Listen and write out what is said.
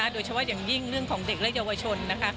โดยเฉพาะอย่างยิ่งเรื่องของเด็กและเยาวชนนะคะ